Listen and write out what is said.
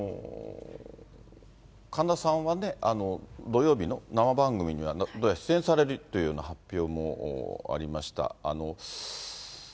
神田さんはね、土曜日の生番組にはどうやら出演されるというような発表もありました。